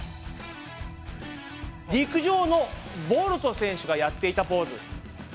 陸上のボルト選手がやっていたポーズありましたよね。